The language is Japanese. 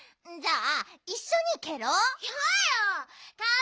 あ！